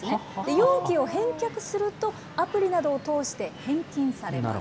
容器を返却すると、アプリなどを通して返金されます。